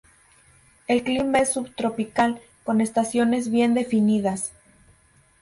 El clima es subtropical, con estaciones bien definidas.